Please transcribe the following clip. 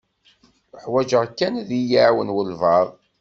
Uḥwaǧeɣ kan ad yi-iɛawen walebɛaḍ.